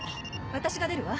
私が出るわ。